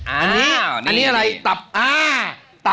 อันนี้อะไรตับอ้า